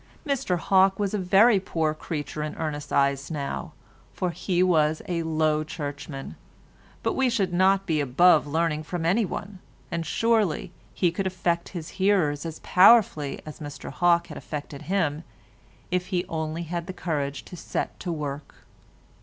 Mr Hawke was a very poor creature in Ernest's eyes now, for he was a Low Churchman, but we should not be above learning from any one, and surely he could affect his hearers as powerfully as Mr Hawke had affected him if he only had the courage to set to work.